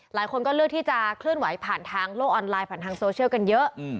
หลายคนก็เลือกที่จะเคลื่อนไหวผ่านทางโลกออนไลน์ผ่านทางโซเชียลกันเยอะ